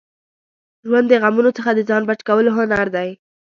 ژوند د غمونو څخه د ځان بچ کولو هنر دی.